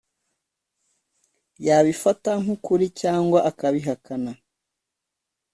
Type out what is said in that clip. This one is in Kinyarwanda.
yabifata nk’ukuri cyangwa akabihakana.